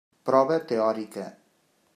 Prova teòrica.